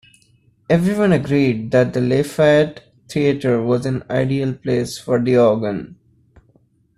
Everyone agreed that the Lafayette Theatre was an ideal place for the organ.